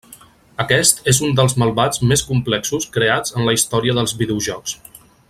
Aquest és un dels malvats més complexos creats en la història dels videojocs.